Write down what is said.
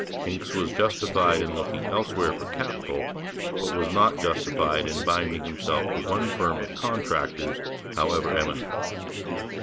Hincks was justified in looking elsewhere for capital, but he was not justified in binding himself to one firm of contractors, however eminent.